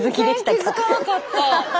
全然気付かなかった。